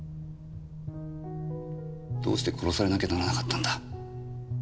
どうして殺されなきゃならなかったんだ？